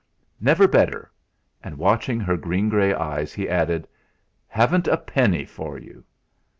"Never better." And, watching her green grey eyes, he added: "Haven't a penny for you!"